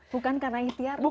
bukan karena ikhtiarku